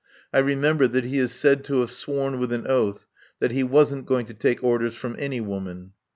I remember that he is said to have sworn with an oath that he wasn't going to take orders from any woman.